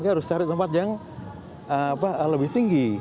harus cari tempat yang lebih tinggi